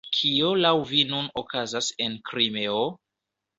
Kio laŭ vi nun okazas en Krimeo?